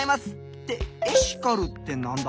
ってエシカルってなんだ？